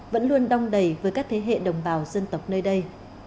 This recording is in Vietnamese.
vẫn luôn đong đầy với các thế hệ đồng bào dân tộc nơi đây